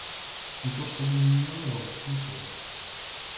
Не то что бы мне не нравилось, но всё же...